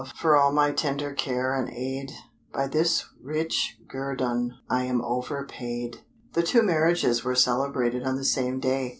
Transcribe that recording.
for all my tender care and aid, By this rich guerdon I am overpaid!" The two marriages were celebrated on the same day.